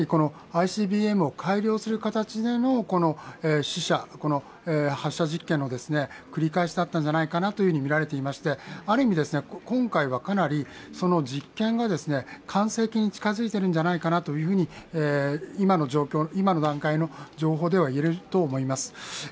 ＩＣＢＭを改良する形での試射、発射実験の繰り返しだったんじゃないかなとみられていまして、ある意味、今回はかなり実験が完成形に近づいているんじゃないかなというふうに今の段階の情報ではいえると思います。